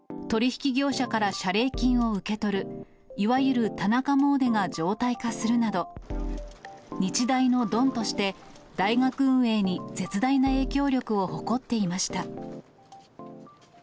取り引き業者から謝礼金を受け取る、いわゆる田中詣でが常態化するなど、日大のドンとして、大学運営に絶大な影響力を誇っていました。